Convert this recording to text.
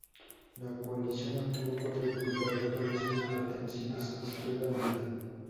La coalición obtuvo cuatro diputados, todos ellos pertenecientes a Izquierda Unida.